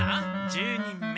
１０人目。